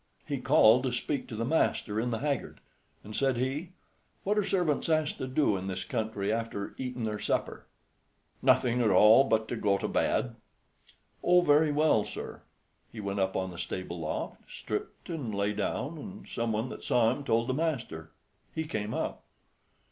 He called to speak to the master in the haggard, and said he, "What are servants asked to do in this country after aten their supper?" "Nothing at all, but to go to bed." "Oh, very well, sir." He went up on the stable loft, stripped, and lay down, and some one that saw him told the master. He came up.